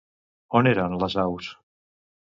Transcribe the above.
On eren les aus?